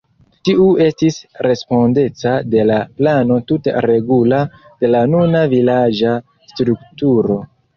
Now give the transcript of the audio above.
Tiu estis respondeca de la plano tute regula de la nuna vilaĝa strukturo.